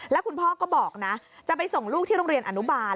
แล้วคุณพ่อก็บอกนะจะไปส่งลูกที่โรงเรียนอนุบาล